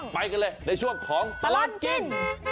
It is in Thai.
ไปกันเลยในช่วงของตลอดกิน